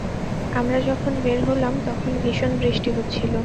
আমরা যখন বের হলাম, তখন ভীষণ বৃষ্টি হচ্ছিল।